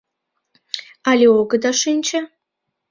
Але огыда шинче?